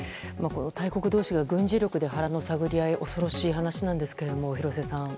大国同士が軍事力で腹の探り合い恐ろしい話なんですが廣瀬さん。